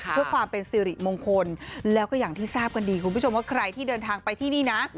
เพื่อความเป็นสิริมงคลแล้วก็อย่างที่ทราบกันดีคุณผู้ชมว่าใครที่เดินทางไปที่นี่นะ